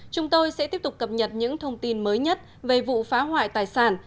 chúng tôi sẽ tiếp tục cập nhật những thông tin mới nhất về vụ phá hoại tài sản